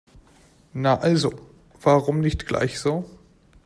Na also, warum nicht gleich so?